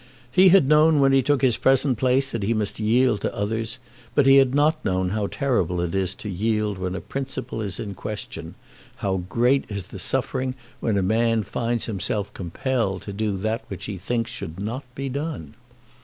He had known when he took his present place that he must yield to others; but he had not known how terrible it is to have to yield when a principle is in question, how great is the suffering when a man finds himself compelled to do that which he thinks should not be done!